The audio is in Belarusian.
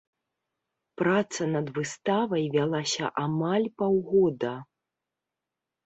Праца над выставай вялася амаль паўгода.